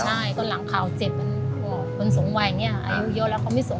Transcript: ใช่ตอนหลังข่าวเจ็บมันคนสูงวัยเนี่ยอายุเยอะแล้วเขาไม่ส่ง